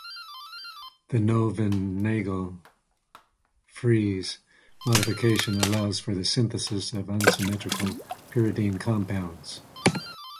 The Knoevenagel-Fries modification allows for the synthesis of unsymmetrical pyridine compounds.